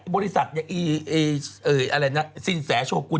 บริษัทสินแสโชกุล